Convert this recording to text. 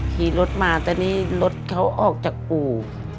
ขี่รถมาแต่นี่รถเขาออกจากอู่